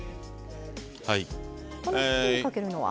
この火にかけるのは？